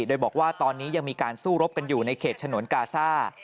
โดยบอกว่าตอนนี้ยังมีการสู้รบกันอยู่ในเขตฉนวนกาซ่า